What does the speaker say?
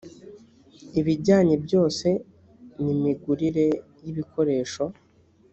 ibijyanye byose nimigurire y ibikoresho